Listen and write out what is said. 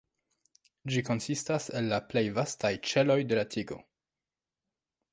Ĝi konsistas el plej vastaj ĉeloj de la tigo.